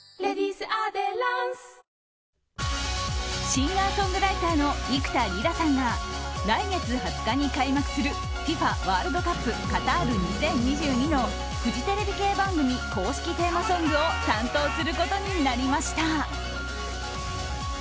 シンガーソングライターの幾田りらさんが来月２０日に開幕する「ＦＩＦＡワールドカップカタール２０２２」のフジテレビ系番組公式テーマソングを担当することになりました。